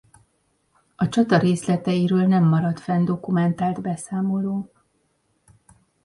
A csata részleteiről nem maradt fenn dokumentált beszámoló.